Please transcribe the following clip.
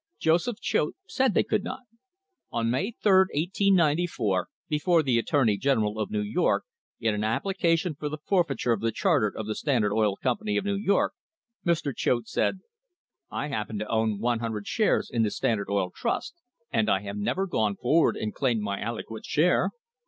Joseph Choate said they could not. On May 3, 1894, before the attorney general of New York, in an application for the forfeiture of the charter of the Standard Oil Company of New York, Mr. Choate said: "I happen to own 100 shares in the Standard Oil Trust, and I have never gone forward and claimed my aliquot share.